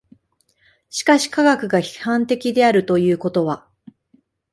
しかし科学が批判的であるということは